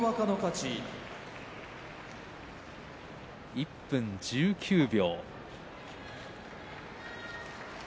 １分１９秒。